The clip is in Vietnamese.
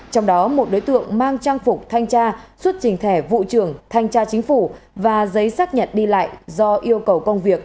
trong đó một đối tượng mang trang phục thanh tra xuất trình thẻ vụ trưởng thanh tra chính phủ và giấy xác nhận đi lại do yêu cầu công việc